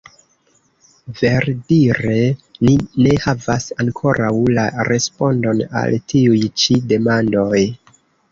Ver-dire ni ne havas ankoraŭ la respondon al tiuj ĉi demandoj.